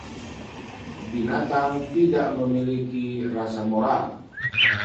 Binatang tidak memiliki rasa moral.